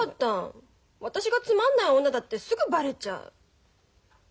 私がつまんない女だってすぐバレちゃう。